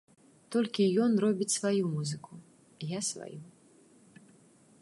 Толькі ён робіць сваю музыку, я сваю.